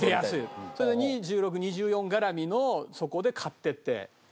それで２１６２４絡みのをそこで買ってって。